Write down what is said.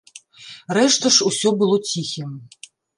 Рэшта ж усё было ціхім.